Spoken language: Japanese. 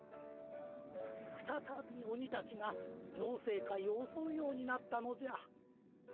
ふたたび鬼たちがようせい界をおそうようになったのじゃ。